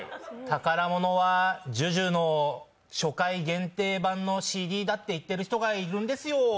宝物はＪＵＪＵの初回限定版のＣＤだって言ってる人がいるんですよ。